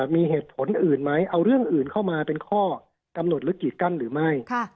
มีเหตุผลอื่นไหมเอาเรื่องอื่นเข้ามาเป็นข้อกำหนดหรือกีดกั้นหรือไม่